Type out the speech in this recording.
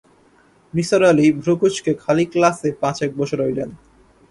নিসার আলি ভ্রকুঁচকে খালি ক্লাসে পাঁচেক বসে রইলেন।